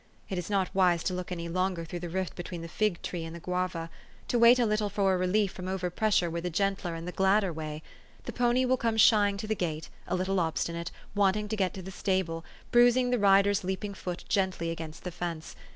It is not wise to look any longer through the rift be tween the fig tree and the guava. To wait a little THE STORY OF AVIS. 433 for a relief from over pressure were the gentler and the gladder way. The pony will come shying to the gate, a little obstinate, wanting to get to the stable, bruising the rider's leaping foot gently against the fence.